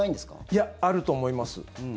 いや、あると思います。